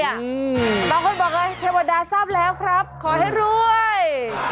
บางคนบอกเลยเทวดาทราบแล้วครับขอให้รวย